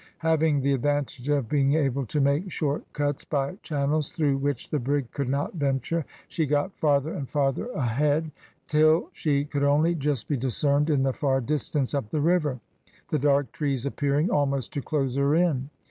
Having the advantage of being able to make short cuts by channels through which the brig could not venture, she got farther and farther ahead, till she could only just be discerned in the far distance up the river, the dark trees appearing almost to close her in.